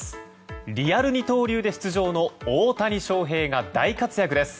リアル二刀流で出場の大谷翔平が大活躍です。